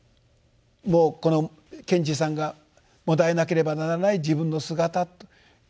もうこの賢治さんがもだえなければならない自分の姿というものを書く。